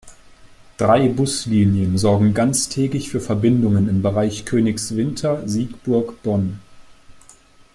Drei Buslinien sorgen ganztägig für Verbindungen im Bereich Königswinter-Siegburg-Bonn.